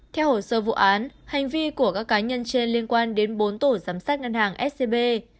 theo hồ sơ vụ án hành vi của các cá nhân trên liên quan đến bốn tổ giám sát ngân hàng scb